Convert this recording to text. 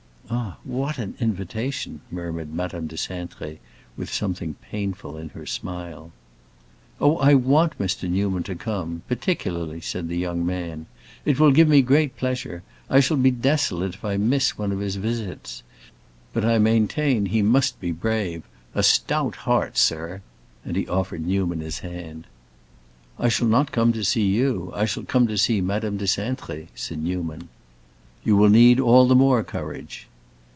"Ah, what an invitation!" murmured Madame de Cintré, with something painful in her smile. "Oh, I want Mr. Newman to come—particularly," said the young man. "It will give me great pleasure. I shall be desolate if I miss one of his visits. But I maintain he must be brave. A stout heart, sir!" And he offered Newman his hand. "I shall not come to see you; I shall come to see Madame de Cintré," said Newman. "You will need all the more courage."